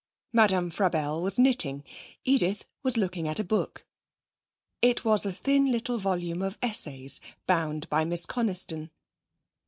Madame Frabelle was knitting. Edith was looking at a book. It was a thin little volume of essays, bound by Miss Coniston.